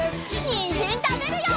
にんじんたべるよ！